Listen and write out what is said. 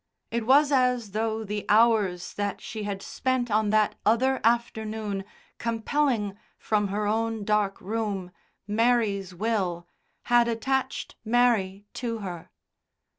It was as though the hours that she had spent on that other afternoon, compelling, from her own dark room, Mary's will, had attached Mary to her.